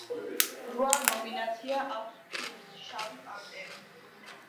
რვა ნომინაცია აქვს ფილმს „შავი პანტერა“.